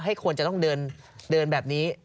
ให้คนจะต้องเดินแบบนี้